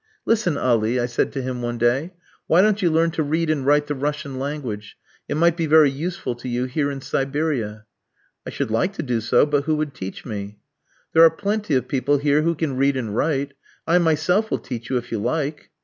"Listen, Ali," I said to him one day, "why don't you learn to read and write the Russian language, it might be very useful to you here in Siberia?" "I should like to do so, but who would teach me?" "There are plenty of people here who can read and write. I myself will teach you if you like."